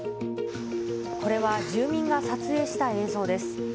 これは住民が撮影した映像です。